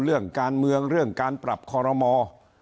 เรื่องการเมืองเรื่องการปรับคอรมอ